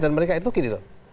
dan mereka itu gini loh